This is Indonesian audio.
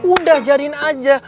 udah jariin aja